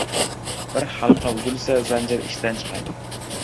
• Bir halqa uzilsa, zanjir ishdan chiqadi.